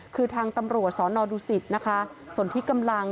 คือทางตำรวจสนดุสิตนะคะส่วนที่กำลัง